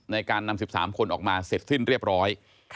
ในการนำ๑๓คนออกมาเสร็จสิ้นเรียบร้อย